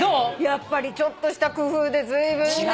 やっぱりちょっとした工夫でずいぶんね。